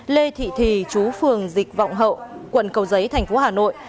lê thị thì chú phường dịch vọng hậu quận cầu giấy thành phố hà nội